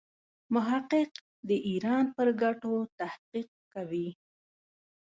محقق د ایران پر ګټو تحقیق کوي.